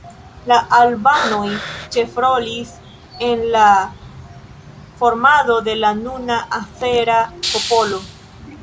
La albanoj ĉefrolis en la formado de la nuna azera popolo.